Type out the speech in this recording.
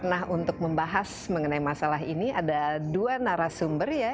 nah untuk membahas mengenai masalah ini ada dua narasumber ya